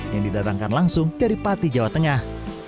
yang didatangkan langsung dari pati jawa tengah